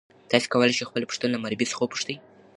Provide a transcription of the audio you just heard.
تاسي کولای شئ خپله پوښتنه له مربی څخه وپوښتئ.